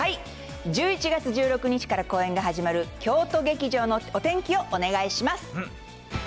１１月１６日から公演が始まる京都劇場のお天気をお願いします。